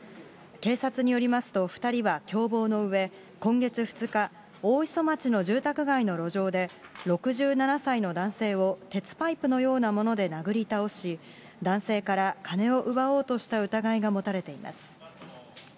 警察によりますと、２人は共謀のうえ、今月２日、大磯町の住宅街の路上で、６７歳の男性を鉄パイプのようなもので殴り倒し、男性から金を奪おうとした疑いが持たれています。